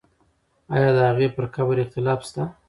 آیا د هغې پر قبر اختلاف شته؟